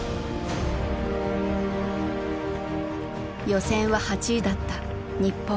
予選は８位だった日本。